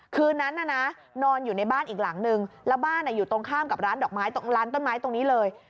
คืนนั้นน่ะนะนอนอยู่ในบ้านอีกหลังนึงแล้วบ้านอยู่ตรงข้ามกับร้านดอกไม้ตรงร้านต้นไม้ตรงนี้เลย